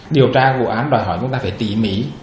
điều tra vụ án đòi hỏi chúng ta phải tỉ mỉ